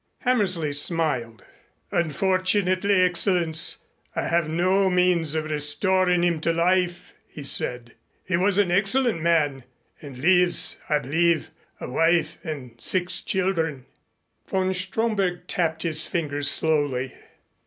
Hammersley smiled. "Unfortunately, Excellenz, I have no means of restoring him to life," he said. "He was an excellent man, and leaves, I believe, a wife and six children." Von Stromberg tapped his fingers slowly.